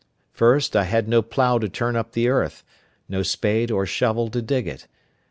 First, I had no plough to turn up the earth—no spade or shovel to dig it.